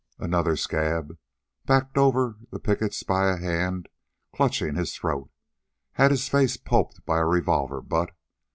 Another scab, backed over the pickets by a hand clutching his throat, had his face pulped by a revolver butt.